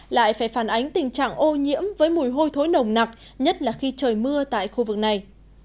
lại phải phản ánh tình trạng ô nhiễm với mùi hôi thối nồng nặc nhất là khi trời mưa tại khu vực này